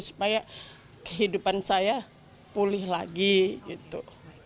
supaya kehidupan saya pulih lagi gitu